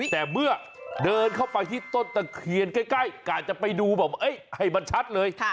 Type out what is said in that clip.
แต่เมื่อเดินเข้าไปที่ต้นตะเคียนใกล้กะจะไปดูแบบให้มันชัดเลย